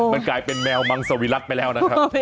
มันกลายเป็นแมวมังสวิรัติไปแล้วนะครับ